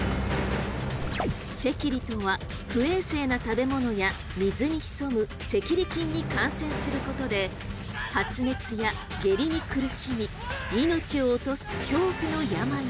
赤痢とは不衛生な食べ物や水に潜む赤痢菌に感染することで発熱や下痢に苦しみ命を落とす恐怖の病です。